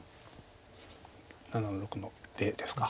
７の六の出ですか。